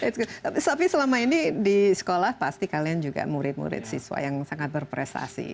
tapi selama ini di sekolah pasti kalian juga murid murid siswa yang sangat berprestasi